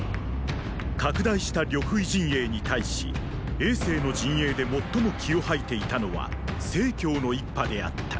拡大した呂不韋陣営に対し政の陣営で最も気を吐いていたのは成の一派であった。